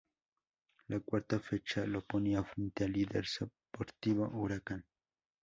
La cuarta fecha lo ponía frente al líder "Sportivo Huracán".